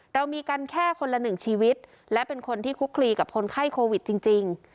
เรามีกันแค่คนละหนึ่งชีวิตและเป็นคนที่คลุกคลีกับคนไข้โควิดจริง